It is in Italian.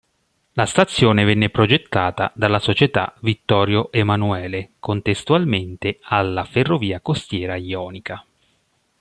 La stazione venne progettata dalla Società Vittorio Emanuele contestualmente alla ferrovia costiera jonica.